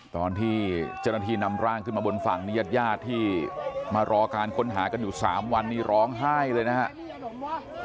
ตอนที่เจ้าหน้าที่นำร่างขึ้นมาบนฝั่งนี้ญาติญาติที่มารอการค้นหากันอยู่๓วันนี้ร้องไห้เลยนะครับ